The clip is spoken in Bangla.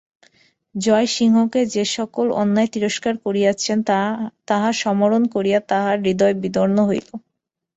জয়সিংহকে যেসেকল অন্যায় তিরস্কার করিয়াছেন তাহা সমরণ করিয়া তাঁহার হৃদয় বিদীর্ণ হইল।